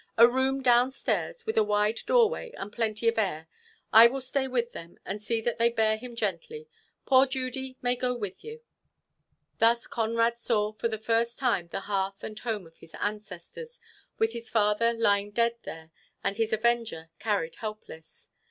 A room downstairs, with a wide doorway, and plenty of air. I will stay with them, and see that they bear him gently. Poor Judy may go with you." Thus Conrad saw for the first time the hearth and home of his ancestors, with his father lying dead there, and his avenger carried helpless.